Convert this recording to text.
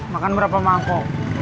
makan berapa mako